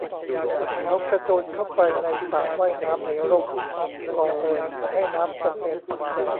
เขากระโจนเข้าไปในสระว่ายน้ำในร่มก่อนเลยทำให้น้ำกระเซ็น